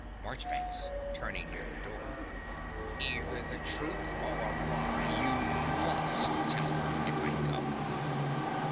MARCHBANKS (turning near the door). Either the truth or a lie you MUST tell her, if I go.